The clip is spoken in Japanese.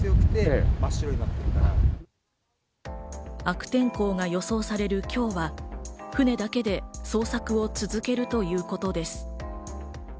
悪天候が予想される今日は船だけで捜索を続けるということです。